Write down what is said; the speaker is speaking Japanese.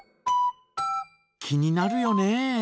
気になるよね。